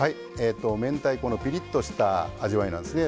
明太子のピリッとした味わいなんですね。